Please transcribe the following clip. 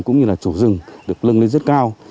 cũng như là chủ rừng được lân lên rất cao